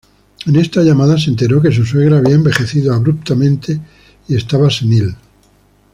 En esta llamada se enteró que su suegra había envejecido abruptamente y estaba senil.